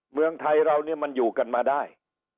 เมืองไทยเราเนี่ยมันอยู่กันมาได้